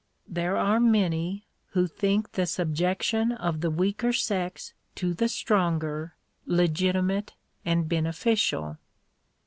There are many who think the subjeotion of the weaker sex to the stronger legitimate and beneficial.